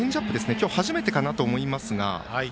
今日初めてかなと思いますが。